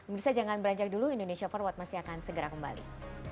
mirsa jangan beranjak dulu indonesia forward masih akan segera kembali